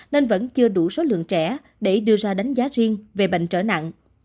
nên vẫn chưa đủ số lượng trẻ để đưa ra đánh giá riêng về bệnh trở nặng